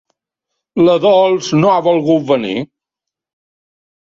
La Dols no ha volgut venir.